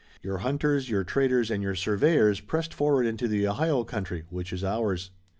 Your hunters, your traders and your surveyors pressed forward into the Ohio country, which is ours."